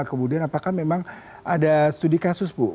kemudian apakah memang ada studi kasus bu